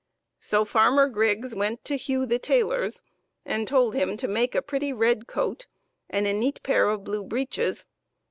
So Farmer Griggs went to Hugh the tailor's, and told him to make a pretty red coat and a neat pair of blue breeches.